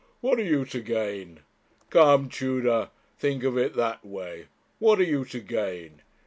What are you to gain? Come, Tudor, think of it that way. What are you to gain?